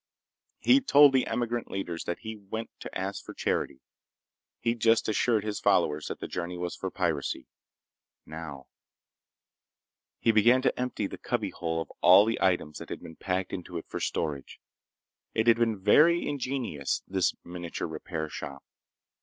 He'd told the emigrant leaders that he went to ask for charity. He'd just assured his followers that their journey was for piracy. Now— He began to empty the cubbyhole of all the items that had been packed into it for storage. It had been very ingenious, this miniature repair shop.